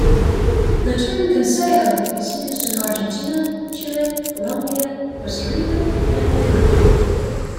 The term "consejo" is used in Argentina, Chile, Colombia, Costa Rica, and Peru.